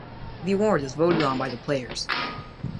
The award is voted on by the players.